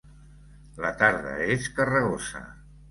La tarda és carregosa.